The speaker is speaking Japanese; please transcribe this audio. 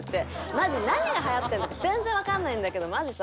「マジ何がはやってんのか全然わかんないんだけどマジさ